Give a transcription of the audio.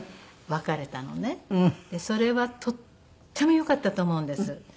それはとってもよかったと思うんです。